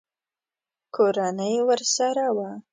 کورنۍ ورسره وه.